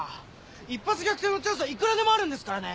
一発逆転のチャンスはいくらでもあるんですからね！